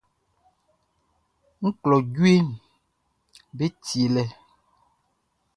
Ɔ klo jueʼm be tielɛ.